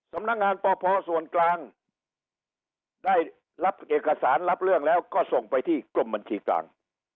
สำนักงานปพส่วนกลางได้รับเอกสารรับเรื่องแล้วก็ส่งไปที่กรมบัญชีกลาง